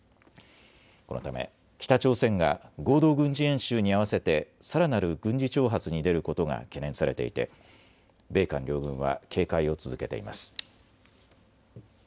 このため北朝鮮が合同軍事演習に合わせてさらなる軍事挑発に出ることが懸念されていて米韓両軍は警戒を続けています。